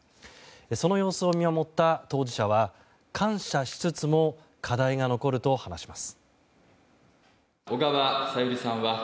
その様子を見守った当事者は感謝しつつも課題が残ると話します。